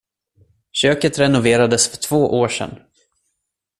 Köket renoverades för två år sen.